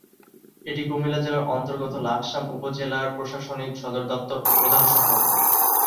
এটি কুমিল্লা জেলার অন্তর্গত লাকসাম উপজেলার প্রশাসনিক সদরদপ্তর ও প্রধান শহর।